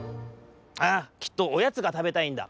ああきっとおやつがたべたいんだ。